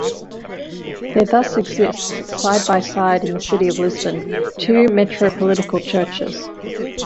There thus existed side by side in the city of Lisbon two metropolitical churches.